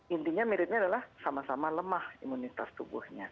intinya miripnya adalah sama sama lemah imunitas tubuhnya